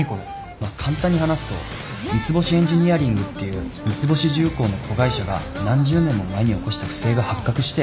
まあ簡単に話すと三ツ星エンジニアリングっていう三ツ星重工の子会社が何十年も前に起こした不正が発覚して。